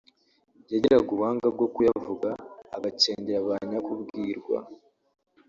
yagiraga ubuhanga bwo kuyavuga agacengera ba nyakubwirwa